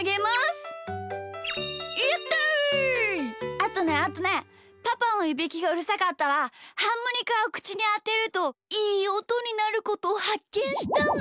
あとねあとねパパのいびきがうるさかったらハーモニカをくちにあてるといいおとになることをはっけんしたんだ。